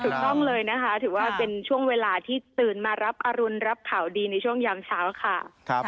ถูกต้องเลยนะคะถือว่าเป็นช่วงเวลาที่ตื่นมารับอรุณรับข่าวดีในช่วงยามเช้าค่ะ